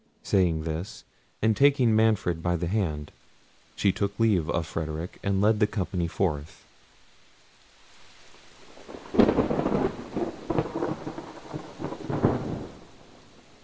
Saying this, and taking Manfred by the hand, she took leave of Frederic, and led the company forth.